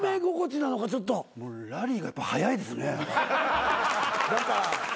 ラリーがやっぱ速いですね。